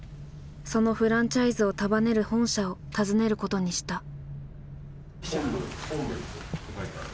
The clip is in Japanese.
そのフランチャイズを束ねる本社を訪ねることにした。